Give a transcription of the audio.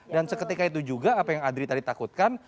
dan seketika itu juga apa yang adri tadi takutkan